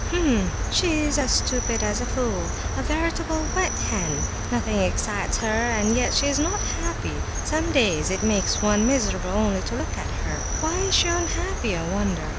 "H'm! she is as stupid as a fool! A veritable 'wet hen'! Nothing excites her; and yet she is not happy; some days it makes one miserable only to look at her! Why is she unhappy, I wonder?"